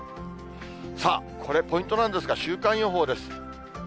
さあ、これ、ポイントなんですが、週間予報です。